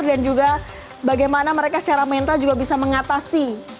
dan juga bagaimana mereka secara mental juga bisa mengatasi